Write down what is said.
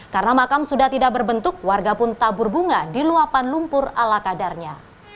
karena makam sudah tidak berbentuk warga pun tabur bunga di luapan lumpur ala kadarnya